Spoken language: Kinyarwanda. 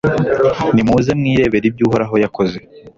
Nimuze mwirebere ibyo Uhoraho yakoze